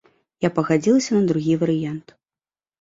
Я пагадзілася на другі варыянт.